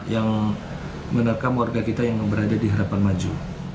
yang menerkam warga kita yang berada di harapan maju